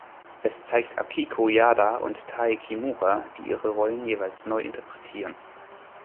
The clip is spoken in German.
Es zeigt Akiko Yada und Tae Kimura, die ihre Rollen jeweils neu interpretieren.